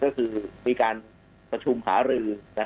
ก็คือมีการประชุมหารือ